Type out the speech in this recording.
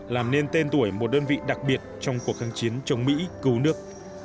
làm nên tên tuổi một đơn vị đặc biệt trong cuộc kháng chiến chống mỹ cứu nước